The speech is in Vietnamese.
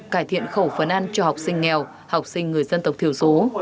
cải thiện khẩu phấn ăn cho học sinh nghèo học sinh người dân tộc thiểu số